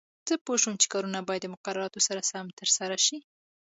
زه پوه شوم چې کارونه باید د مقرراتو سره سم ترسره شي.